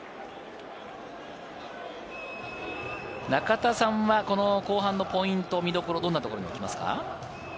中田さんは後半のポイント、見どころ、どんなところだと思いますか？